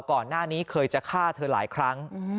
ก่อนหน้านี้เคยจะฆ่าเธอหลายครั้ง